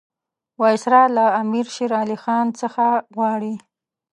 وایسرا له امیر شېر علي خان څخه غواړي.